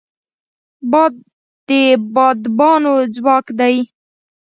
باد د بادبانو ځواک دی